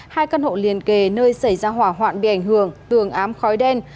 hai căn hộ liền kề nơi xảy ra hỏa hoạn bị ảnh hưởng tường ám khói đen